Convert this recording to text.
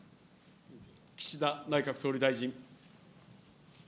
岸田内閣総理大臣。